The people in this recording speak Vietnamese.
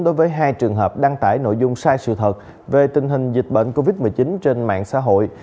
đối với hai trường hợp đăng tải nội dung sai sự thật về tình hình dịch bệnh covid một mươi chín trên mạng xã hội